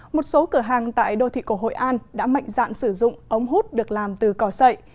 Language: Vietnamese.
một số cửa hàng tại đô thị cổ hội an đã mạnh dạn sử dụng ống hút được làm từ cỏ sậy